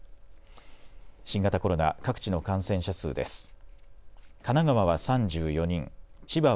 新型コロナ、各地の感染者数です。